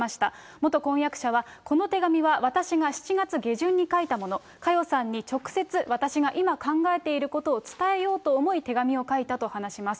元婚約者は、この手紙は私が７月下旬に書いたもの、佳代さんに直接私が今、考えていることを伝えようと思い、手紙を書いたと話します。